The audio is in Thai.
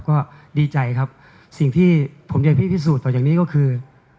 ก็ดีใจครับสิ่งที่ผมยังพี่พิสูจน์ต่อจากนี้ก็คือ